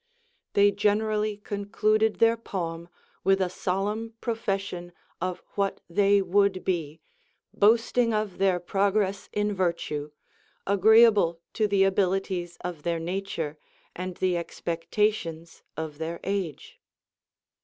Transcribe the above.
They generally concluded their poem Avith a solemn profession of what they would be, boasting of their progress in virtue, agreeable to the abilities of their nature and the expectations of their age.